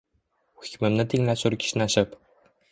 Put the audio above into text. Hukmimni tinglashur kishnashib.